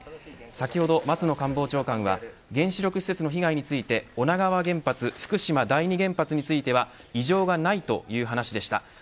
先ほど松野官房長官は原子力施設の被害について女川原発福島第二原発については異常がないという話でした。